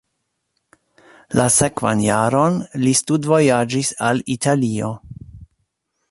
La sekvan jaron li studvojaĝis al Italio.